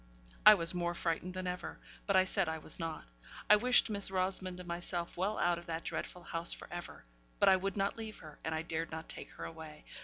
I was more frightened than ever; but I said I was not. I wished Miss Rosamond and myself well out of that dreadful house for ever; but I would not leave her, and I dared not take her away.